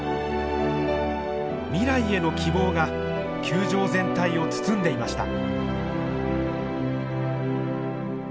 未来への希望が球場全体を包んでいました。